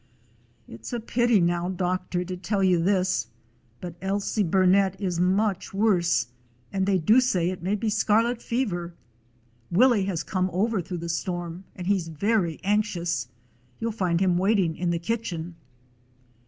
"It 's a pity now, doctor, to tell you this, but Ailsie Burnet is much worse, and they do say it may be scarlet fever. Willie has come over through the storm, and he 's very anx ious. You 11 find him waiting in the kitchen."